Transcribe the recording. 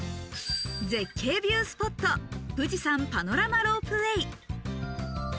絶景ビュースポット、富士山パノラマロープウェイ。